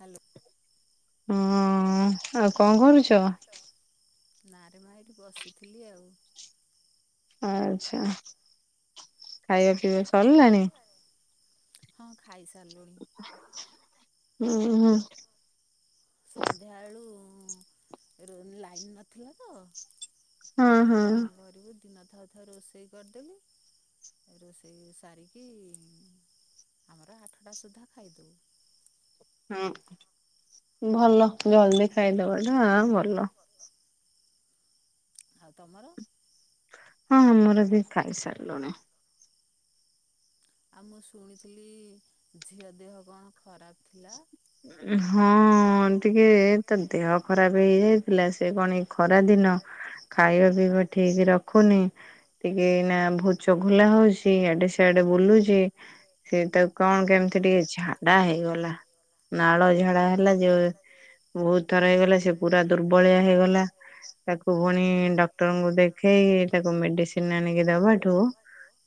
Hello. ହଁ। କଣ କରୁଛ ନାରେ ମା ଏଠି ବସିଥିଲି ଆଉ। ଆଚ୍ଛା ଖାଇବା ପିଇବା ସରିଲାଣି? ହଁ ଖାଇସାରିଲୁଣି। ହୁଁ ହୁଁ। ସନ୍ଧ୍ୟାବଳୁ ରୋନ୍ ଲାଇନ୍ ନଥିଲା ତ। ଏଇ କଣ କରିବୁ ଦିନ ଥାଉ ଥାଉ ରୋଷେଇ କରଦେଲୁ। ରୋଷେଇ ସାରିକି ଆମର ଆଠଟା ସୁଦ୍ଧା ଖାଇଦଉ। ହଁ ହୁଁ ଭଲ ଜଲଦି ଖାଇଦବାଟା ଆଁ ଭଲ। ଆଉ ତମର? ହଁ ଆମର ବି ଖାଇସାରଲୁଣି। ଆଉ ମୁଁ ଶୁଣିଥିଲି ଝିଅ ଦେହ କଣ ଖରାପ ଥିଲା। ହଁ ଟିକେ। ତ ଦେହ ଖରାପ ହେଇଯାଇଥିଲା ସେ କଣ ଏଇ ଖରାଦିନ। ଖାଇବା ପିଇବା ଠିକ ରଖୁନି। ଟିକେ ଏଇନା ବହୁତ ଚଘଲା ହଉଚି ଆଡେ ସେଆଡେ ବୁଲୁଚି। ସେ ତ କଣ କେମିତି ଟିକେ ଝାଡା ହେଇଗଲା। ନାଳ ଝାଡା ହେଲା ଯୋର। ବହୁତ୍ ଥର ହେଇଗଲା ସେ ପୁରା ଦୁର୍ବଳିଆ ହେଇଗଲା ତାକୁ ପୁଣି ଡ ଡକ୍ଟରଙ୍କୁ ଦେଖେଇ ତାକୁ ମେଡିସିନ ଆଣିକି ଦବାଠୁ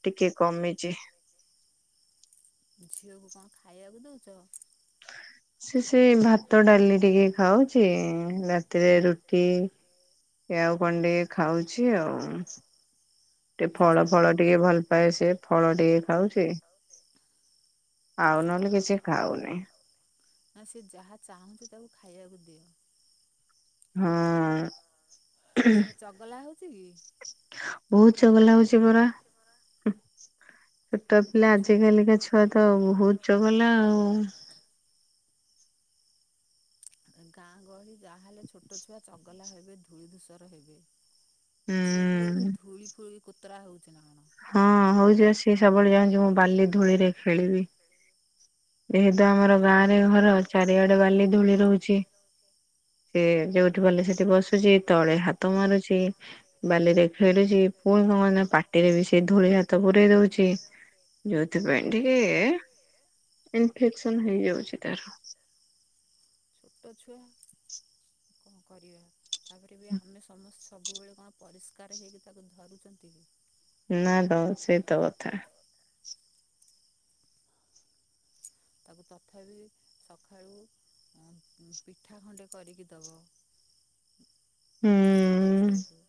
ଟିକେ କମିଚି। ଝିଅକୁ କଣ ଖାଇବାକୁ ଦଉଚ? ସେ ସେଇ ଭାତ ଡାଲି ଟିକେ ଖାଉଚି ରାତିରେ ରୁଟି ଏ ଆଉ କଣ ଟିକିଏ ଖାଉଛି ଆଉ। ଟିକିଏ ଫଳ ଫଳ ଟିକିଏ ଭଲ ପାଏ ସେ ଫଳ ଟିକିଏ ଖାଉଚି। ଆଉ ନହେଲେ କିଛି ଖାଉନି। ନାଁ ସେ ଯାହା ଚାହୁଁଚି ତାକୁ ଖାଇବାକୁ ଦିଅ। ହଁ ଉୁଁ। ଆଉ ଝିଅ ଚଗଲା ହଉଚିକି। ବହୁତ ଚଗଲା ହଉଚି ପରା ଛୋଟ ପିଲା ଆଜ କାଲିକା ଛୁଆତ ବହୁତ ଚଗଲା ଆଉ। ଗାଁ ଗହଳି ଯାହାହେଲେ ଛୋଟ ଛୁଆ ଚଗଲା ହେବେ ଧୂଳି ଧୂସର ହେବେ। ଝିଅ ଟିକିଏ ବୋଧେ ଧୂଳି ଫୁଳିି କୋତରା ହଉଚିନା କଣ? ହଁ ହଉଚିବା ସିଏ ସବୁବେଳେ ଜାଣିଛି ମୁଁ ବାଲି ଧୂଳିରେ ଖେଳିବି। ଯେହେତୁ ଆମର ଗାଁରେ ଘର ଚାରିଆଡେ ବାଲି ଧୂଳି ରହୁଛି। ସେ ଯୋଉଠି ପାଇଲେ ସେଠି ବସୁଚି ତଳେ ହାତ ମାରୁଛି। ବାଲିରେ ଖେଳୁଚି ପୁଣି କଣ ପାଟିରେବି ସେ ଧୂଳି ହାତ ପୂରେଇ ଦଉଛି। ଯୋଉଥି ପାଇଁ ଟିକିଏ ଇନଫେକ୍ସନ ହେଇଯାଉଚି ତାର। ଛୋଟ ଛୁଆ କଣ କରିବା ତାପରେବି ଆମେ ସମସ୍ତେ ସବୁବେଳେ କଣ? ପରିଷ୍କାର ହେଇକି ତାକୁ ଧରୁଚନ୍ତି। ନାଁତ ସେଇତ କଥା। ତାକୁ ତଥାପି ସକାଳୁ ପିଠା ଖଣ୍ଡେ କରିକି ଦେବ। ଛୋଟ ଛୁଆକୁ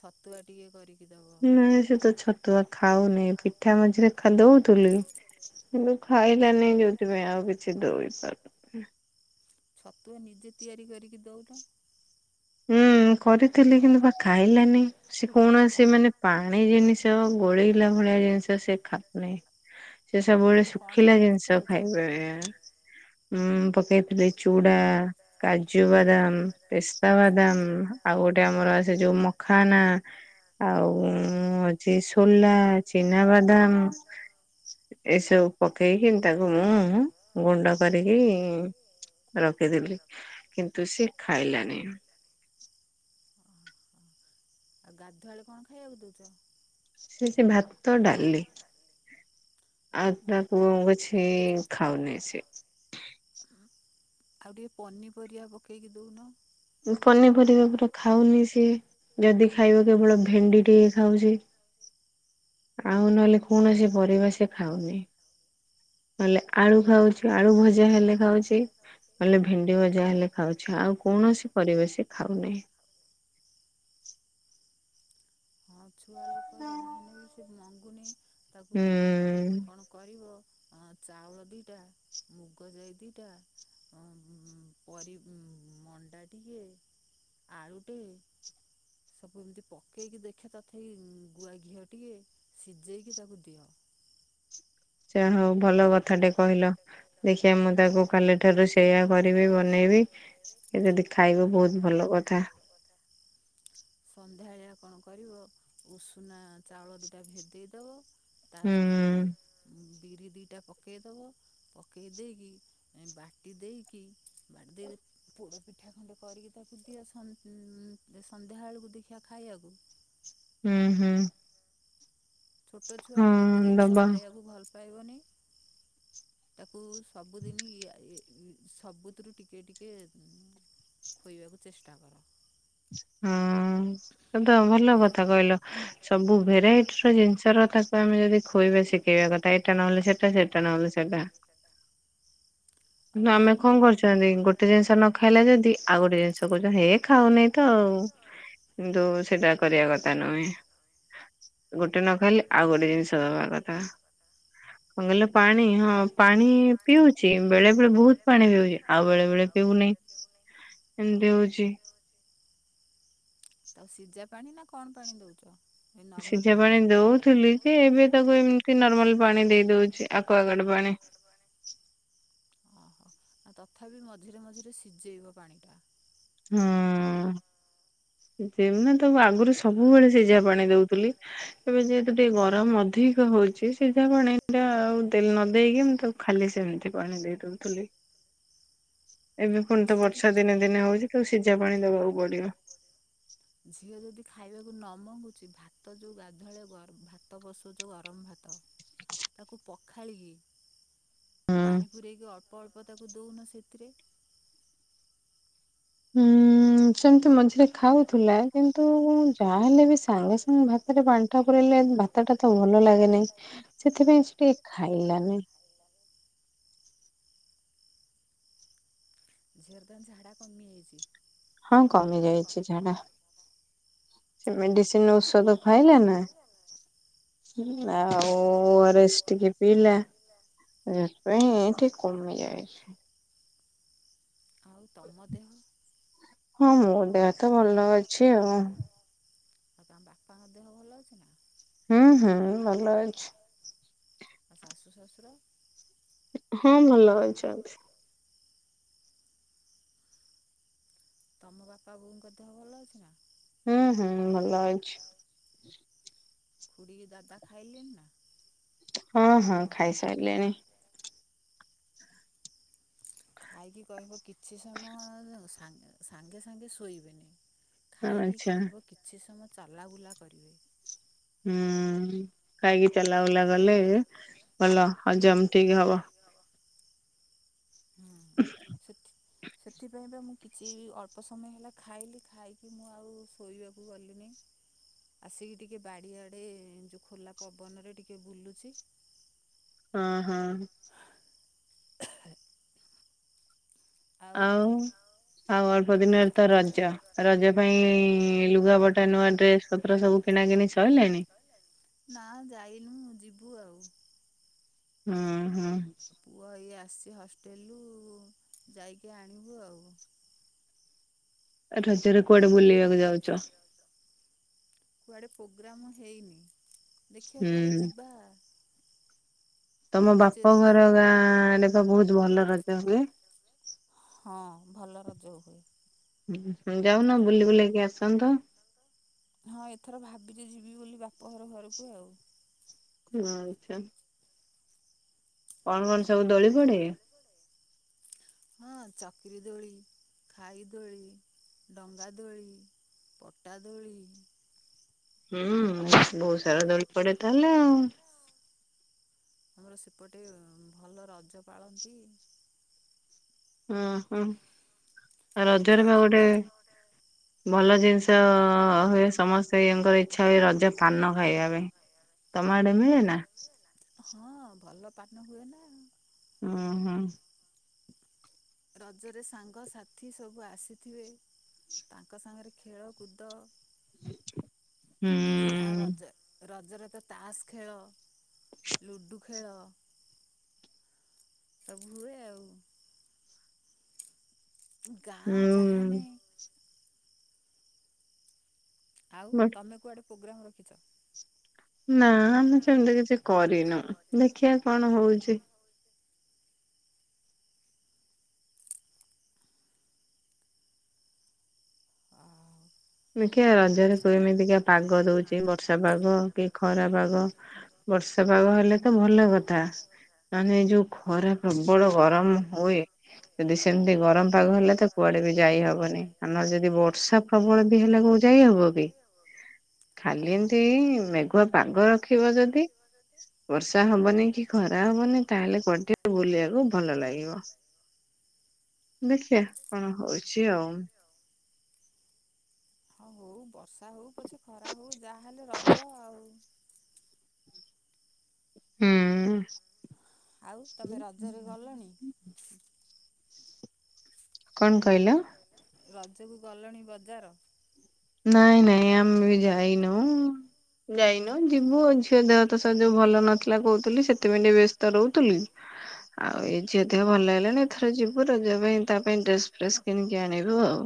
ଛତୁଆ ଟିକିଏ କରିକି ନାଇଁ ସେତ ଛତୁଆ ଖାଉନି ପିଠା ମଝିରେ ଦଉଥିଲି। କିନ୍ତୁ ଖାଇଲାନି ଯୋଉଥିପାଇଁ ଆଉ କିଛି ଦୋଇପାରୁ ଛତୁଆ ନିଜେ ତିଆରି କରିକି ଦଉନ। ହୁଁ କରିଥିଲି କିନ୍ତୁବା ଖାଇଲାନି ସେ କୌଣସି ମାନେ ପାଣି ଜିନିଷ ଗୋଳେଇଲା ଭଳିଆ ଜିନିଷ ସେ ଖାଉନେହିଁ। ସେ ସବୁବେଳେ ଶୁଖିଲା ଜିନିଷ ଖାଏ ବେଳେ ବେଳେ। ହୁଁ ପକେଇଥିଲେ ଚୁଡ଼ା କାଜୁବାଦାମ ପେସ୍ତା ଚିନାବାଦାମ ଆଉ ଗୋଟେ ଆମର ସେ ଯୋଉ ମଖାନା ଆଉ ହଉଛି ସୋଲା ଚିନାବାଦାମ। ଏସବୁ ପକେଇକି ତାକୁ ମୁଁ ଗୁଣ୍ଡ କରିକି ରଖିଥିଲି କିନ୍ତୁ ସେ ଖାଇଲାନି। ଆଉ ଗାଧୁଆଳେ କଣ ଖାଇବାକୁ ଦଉଚ? ସେ ସେ ଭାତ ଡାଲି ଆଉ ତା ପୁଅଙ୍କୁ ଅଛି। ଏଇ ଖାଉନି ସିଏ। [inaudible] ଆଉ ଟିକିଏ ପନିପରିବା ପକେଇକି ଦଉନ। ଉୁଁ ପନିପରିବା ପୁରା ଖାଉନି ସିଏ। ଯଦି ଖାଇବ କେବଳ ଭେଣ୍ଡି ଟିକିଏ ଖାଉଚି। ଆଉ ନହେଲେ କୌଣସି ପରିବା ସେଖାଉନି। ନହେଲେ ଆଳୁ ଖାଉଚି ଆଳୁ ଭଜା ହେଲେ ଖାଉଚି। ନହେଲେ ଭେଣ୍ଡି ଭଜା ହେଲେ ଖାଉଛି ଆଉ କୌଣସି ପରିବା ସିଏ ଖାଉନେହିଁ। [inaudible] ଆଁ ଛୁଆ ଲୋକ ଯାହାହେଲେ ବି ସେ ମଗୁନି ତାକୁ କଣ କରିବ ଚାଉଳ ଦିଇଟା ମୁଗ ଯାଇ ଦିଇଟା। ଉଁ କରୀମୁ ମଣ୍ଡା ଟିକେ। ଆଳୁ ଟେ ସବୁ ଏମିତି ପକେଇକି ଦେଖି। [unintelligible] ଗୁଆ ଘିଅ ଟିକେ ସିଝେଇକି ତାକୁ ଦିଅ। ଯାହା ହଉ ଭଲ କଥା ଟେ କହିଲ। ଦେଖିବା ମୁଁ ତାକୁ କାଲି ଠାରୁ ସେଇୟା କରିବି ବନେଇବି। ସେ ଯଦି ଖାଇବ ବହୁତ ଭଲ କଥା। ସନ୍ଧ୍ୟାବେଳିଆ କଣ କରିବ ଉଷୁନା ଚାଉଳ ଦୁଇଟା ଭେଦେଇଦବ। ତା ଦେହରେ ବିରି ଦିଇଟା ପକେଇଦବ। ପକେଇ ଦେଇକି ବାଟି ଦେଇକି ବାଟି ଦେଇ ପୋଡ ପିଠା ଖଣ୍ଡେ କରିକି ତାକୁ ଦିଅ ସନ୍ଧ୍ୟାବେଳକୁ ଦେଖିବା ଖାଇବାକୁ। ହୁଁ ହୁଁ। ଛୋଟ ଛୁଆ ଗୋଟେ ଜିନିଷ ଖାଇବାକୁ ଭଲ ପାଇବନି। ତାକୁ ସବୁଦିନ ସବୁଥିରୁ ଟିକେ ଟିକେ ଖୋଇବାକୁ ଚେଷ୍ଟା କର। ହଁ ତ ତ ଭଲ କଥା କହିଲ। ସବୁ ଭେରାଇଟିର ଜିନିଷ ର କଥାକୁ ଆମେ ଯଦି ଖୋଇବା ଶିଖେଇବା କଥା ଏଇଟା ନହେଲେ ସେଟା। କାରଣ ସେଟା [inaudible] ଆମେ କଣ କରୁଛନ୍ତି ଗୋଟେ ଜିନିଷ ନ ଖାଇଲେ ଯଦି ଆଉ ଗୋଟେ ଜିନିଷ କରୁଛନ୍ତି ହେ ଖାଉନି ତ ହଉ କିନ୍ତୁ ସେଟା କରିବା କଥା ନୁହେଁ। ଗୋଟେ ନ ଖାଇଲେ ଆଉ ଗୋଟେ ଜିନିଷ ଦବା କଥା। କଣ କହିଲ ପାଣି ହଁ ପାଣି ପିଉଛି ବେଳେ ବେଳେ ବହୁତ ପାଣି ପିଉଛି। ଆଉ ବେଳେ ବେଳେ ପିଉନି ଏମିତି ହଉଛି। ତାକୁ ସିଝା ପାଣି ନା କଣ ପାଣି ଦଉଛ? ସିଝା ପାଣି ଦଉଥିଲି କି ଏବେ ତାକୁ ଏମତି ନର୍ମାଲ ପାଣି ଦେଇ ଦଉଛି ଆକୁଆଗାଡ ପାଣି। ହଁ ହଁ ନା ତଥାପି ମଝିରେ ମଝିରେ ସିଝେଇବ ପାଣିଟା। ହଁ ଯେମିନା ତ ଆଗରୁ ସବୁବେଳେ ସିଝା ପାଣି ଦଉଥିଲି। ଏବେ ଯେହେତୁ ଟିକେ ଗରମ ଅଧିକ ହଉଛି ସିଧା ପାଣି ଏଟା ଆଉ ତେଲ ନ ଦେଇକି ମୁଁ ତା ଖାଲି ସେମିତି ପାଣି ଦେଇଦଉଥିଲି। ଏବେ ପୁଣି ତ ବର୍ଷା ଦିନେ ଦିନେ ହଉଛି କି ସିଝା ପାଣି ଦବାକୁ ପଡିବ। ଝିଅ ଯଦି ଖାଇବାକୁ ନ ମଗୁଛି ଭାତ ଯୋଉ ଗାଧୁଆବେଳେ ଭାତ ବସଉଛ ଗରମ ଭାତ ତାକୁ ପଖାଳିକି ପାଣି ପୂରେଇକି ଅଳ୍ପ ଅଳ୍ପ ତାକୁ ଦେଉନ ସେଥିରେ। ହୁଁ। ସେମିତି ମଝିରେ ଖାଉଥିଲା କିନ୍ତୁ ଯାହାହ ହେଲେ ବି ସାଙ୍ଗେ ସାଙ୍ଗେ ଭାତରେ ପାଣିଟା ପୁରାଇଲେ ଭ ଭାତଟା ତ ଭଲ ଲାଗେନାହିଁ ସେଥିପାଇଁ ସେ ଟିକେ ଖାଇଲାନି। ଝିଅ ତା ଝାଡା କମି ଯାଇଛି। ହଁ କମି ଯାଇଛି ଝାଡା। ସେ ମେଡିସିନ ଔଷଧ ଖାଇଲେ ନା? ଆଉ ଓ ଆର ଏସ ଟିକେ ପିଇଲା। ହଁ ସେଇଠି ପାଇଁ କମି ଯାଇଛି। ଆଉ ତମ ଦେହ? ହଁ ମୋ ଦେହ ତ ଭଲ ଅଛି ଆଉ। ଆଉ ତମ ବାପାଙ୍କ ଦେହ ଭଲ ଅଛି ନା? ହୁଁ ହୁଁ ଭଲ ଅଛି। ଆଉ ଶାଶୁ ଶ୍ୱଶୁର। ହଁ ଭଲ ଅଉଛନ୍ତି। ତମ ବାପା ବୋଉଙ୍କ ଦେହ ଭଲ ଅଛି ନା? ହୁଁ ହୁଁ ଭଲ ଅଛି। ଖୁଡ଼ି ଦାଦା ଖାଇଲେନି ନା? ହଁ ହଁ ଖାଇସାରିଲେଣି। ଖାଇକି କହିବ କିଛି ସମୟ ସାଙ୍ଗେ ସାଙ୍ଗେ ଶୋଇବେନି। ଖାଇକି କହିବ କିଛି ସମୟ ଚାଲାବୁଲା କରିବେ। ହୁଁ ଖାଇକି ଚଲାବୁଲା ଗଲେ ଭଲ ହଜମ ଠିକ ହବ। ହଁ। ସେଥିପାଇଁ ବା ମୁଁ କିଛି ଅଳ୍ପ ସମୟ ହେଲା ଖାଇଲି ଖାଇକି ମୁଁ ଆଉ ଶୋଇବାକୁ ଗଲିନି। ଆସିକି ଟିକେ ବାଡିଆଡେ ଯୋଉ ଖୋଲା ପବନରେ ଟିକେ ବୁଲୁଛି। ହଁ ହଁ। ଆଉ ଆଉ ଅଳ୍ପ ଦିନରେ ତ ରଜ। ରଜ ପାଇଁ ଲୁଗା ବଟା ନୂଆ ଡ୍ରେସ ପତ୍ର ସବୁ କିଣା କିଣି ସରିଲଣି। ନା ଯାଇନୁ ଯିବୁ ଆଉ। ହଁ ହଁ। ପୁଅ ଏଇ ଆସିଛି ହଷ୍ଟେଲ ରୁ ଯାଇକି ଆଣିବୁ ଆଉ। ରଜରେ କଆଡେ ବୁଲେଇବାକୁ ଯାଉଛ? କୁଆଡ଼େ ପ୍ରୋଗ୍ରାମ ହେଇନି ଦେଖିବା କୁଆଡ଼େ ଯିବା। ତମ ବାପ ଘର ଗାଁ ଆଡେ ତ ବହୁତ ଭଲ ରଜ ହୁଏ। ହଁ ଭଲ ରଜ ହୁଏ। ହ ଯାଉନ ବୁଲି ବୁଲେଇକି ଆସନ୍ତ। ହଁ ଏଥର ଭାବିଛି ଯିବି ବୋଲି ବାପ ଘର ଘରକୁ ଆଉ। ହ ଆଚ୍ଛା। କଣ କଣ ସବୁ ଦୋଳି ପଡେ? ହଁ ଚକିରୀ ଦୋଳି ଖାଇଦୋଳି, ଡଙ୍ଗା ଦୋଳି। ପଟାଦୋଳି। ହୁଁ ବହୁତ ସାରା ଦଲ ପଡେ ତାହେଲେ ଆଉ। ଆମର ସେପଟେ ଭଲ ରଜ ପାଳନ୍ତି। ହଁ ହ ଆଉ ରଜରେ ପା ଗୋଟେ ପରେ [unintelligible] ଭଲ ଜିନିଷ ହୁଏ ସମସ୍ତେ ଙ୍କର ଇଛା ହୁଏ ରଜ ପାନ ଖାଇବା ପାଇଁ। ତମ ଆଡେ ମିଳେ ନା? ହଁ ଭଲ ପାଟନ ହୁଏ ନା। ଉଁ ହୁଁ। ରଜରେ ସାଙ୍ଗସାଥି ସବୁ ଆସିଥିବେ। ତାଙ୍କ ସାଙ୍ଗରେ ଖେଳକୁୁଦ [unintelligible] ରଜ ରଜରେ ତ ତାସ୍ ଖେଳ, ଲୁଡ଼ୁ ଖେଳ ସବୁ ହୁଏ ଆଉ ଗାଁ ଜହାନେ ଆଉ ତମେ କୁଆଡ଼େ ପ୍ରୋଗ୍ରାମ ରଖିଛ? ନା ଆମେ ସେମିତି କିଛି କରିନୁ ଦେଖିବା କଣ ହଉଛି। [unintelligible] ଦେଖିବା ରଜ ରେ କହିଁବି ଦେଖିଆ ଏମିତିକା ପାଗ ଦଉଚି ବର୍ଷା ପାଗ କି ଖରା ପାଗ ବର୍ଷା ପାଗ ହେଲେ ତ ଭଲ କଥା ମାନେ ଯୋଉ ଖରା ପ୍ରବଳ ଗରମ ହୁଏ। ଯଦି ସେମିତି ଗରମ ପାଗ ହେଲେ ତ କୁଆଡେ ବି ଯାଇ ହବନି ଆମର ଯଦି ବର୍ଷା ପ୍ରବଳ ହେଲେ କୋଉ ଯାଇ ହବ କି। ଖାଲି ଏମତି ମେଘୁଆ ପାଗ ରଖିବ ଯଦି ବର୍ଷା ହବନି କି ଖରା ହବନି ତାହେଲେ କୁଆଡେ ଟିକେ ବୁଲିବାକୁ ଭଲ ଲାଗିବ ଦେଖିବା କଣ ହଉଛି ଆଉ। ହଁ ହଉ ବର୍ଷା ହେଉ ପଛେ ଖରା ହଉ ଯାହାହେଲେ ରଜ ଆଉ। ହୁଁ। ଆଉ ତୁମେ ରଜରେ ଗଲଣି କଣ କହିଲ ରଜକୁ ଗଲେଣି ବଜାର ନାଇଁ ନାଇଁ ଆମେ ବି ଯାଇନୁ ଯାଇନୁ ଯିବୁ ଆଉ ଝିଅ ଦେହତ ସେମିତି ଯୋଉ ଭଲ ନଥିଲା କହୁଥିଲି ସେଥିପାଇଁ ଟିକେ ବ୍ୟସ୍ତ ରହୁଥିଲି। ଆଉ ଏଇ ଝିଅ ଦେହ ଭଲ ଲାଗିଲାଣିି ଏଥର ଯିବୁ ରଜ ପାଇଁ ତା ପାଇଁ ଡ୍ରେସ ଫ୍ରେସ୍ କିଣିକି ଆଣିବୁ ଆଉ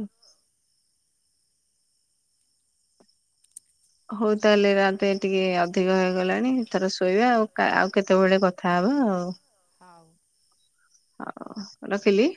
ହଉ ତାହେଲେ ରାତି ଟିକେ ଅଧିକ ହେଇଗଲାଣି ଏଥର ଶୋଇବା ଆଉ ଆଉ କେତେବେଳେ କଥା କଥା ହେବାଆଉ। ହଉ। ହଁ ରଖିଲି।